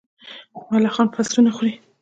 ملخان فصلونه خوري.